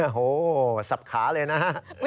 โอ้โหสับขาเลยนะฮะ